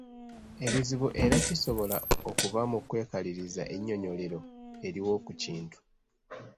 Ebizibu era kisobola okuva mu kwekaliriza ennyinnyonnyolero eriwo ku kintu.